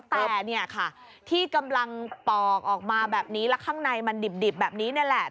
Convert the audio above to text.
แต่เนี่ยค่ะที่กำลังปอกออกมาแบบนี้แล้วข้างในมันดิบแบบนี้นี่แหละ